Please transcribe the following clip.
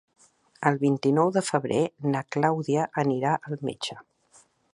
El vint-i-nou de febrer na Clàudia anirà al metge.